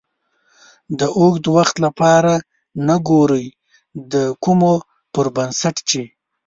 د اوږد وخت لپاره نه ګورئ د کومو پر بنسټ چې